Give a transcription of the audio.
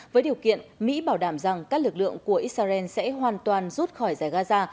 với điều kiện mỹ bảo đảm rằng các lực lượng của israel sẽ hoàn toàn rút khỏi giải gaza